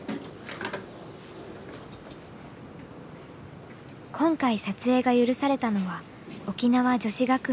今回撮影が許されたのは沖縄女子学園。